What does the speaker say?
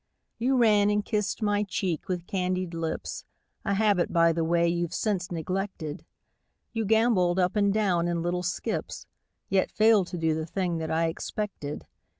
You ran and kissed my cheek with candied lips, A habit, by the way, you've since neglected ; You gambolled up and down in little skips, Yet failed to do the thing that I expected.